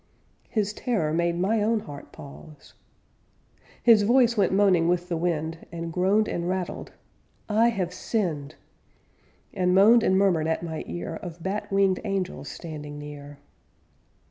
'_ His terror made my own heart pause. His voice went moaning with the wind, And groaned and rattled, 'I have sinned,' And moaned and murmured at my ear Of bat winged angels standing near.